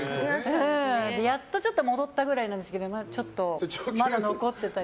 やっとちょっと戻ったぐらいなんですけどまだちょっと残ってたり。